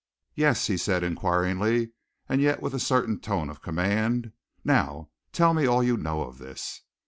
"Yes?" he said inquiringly and yet with a certain tone of command. "Now tell me all you know of this."